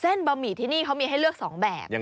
บะหมี่ที่นี่เขามีให้เลือก๒แบบ